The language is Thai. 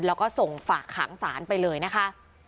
แล้วก็ส่งฝากขังศาลไปเลยนะคะ